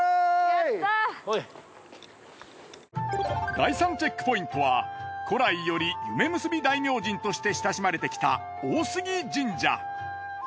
第３チェックポイントは古来より夢結び大明神として親しまれてきた大杉神社。